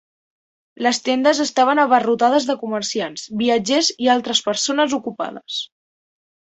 Les tendes estaven abarrotades de comerciants, viatgers i altres persones ocupades.